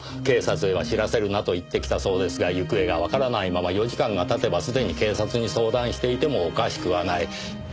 警察へは知らせるなと言ってきたそうですが行方がわからないまま４時間が経てばすでに警察に相談していてもおかしくはない。